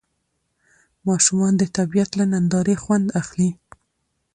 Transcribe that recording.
ماشومان د طبیعت له نندارې خوند اخلي